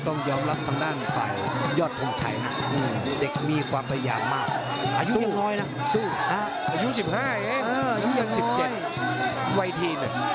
สูงอ่ะสูงฮะอายุสิบห้ายเอออยู่อย่างงี้